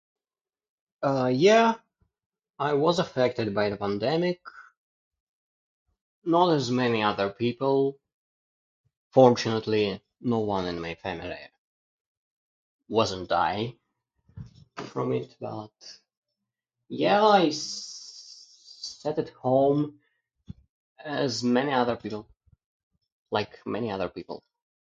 Uh yeah, I was affected by the pandemic. Not as many other people, fortunately, no one in my family wasn't die from it, but yeah it [unintelligible] home as many other people like many other people .